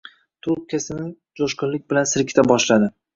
trubkasini joʻshqinlik bilan silkita boshladi.